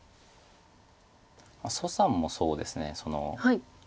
蘇さんもそうですね。